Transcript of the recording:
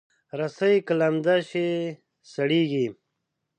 رسۍ که لمده شي، سړېږي.